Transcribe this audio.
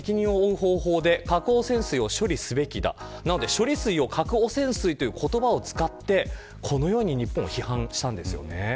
処理水を核汚染水という言葉を使って、このように日本を批判したんですよね。